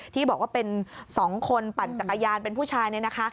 ที่บอกว่าเป็น๒คนปั่นจักรยานเป็นผู้ชายเนี่ยนะคะ